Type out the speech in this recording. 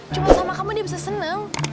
cuma sama kamu dia bisa senang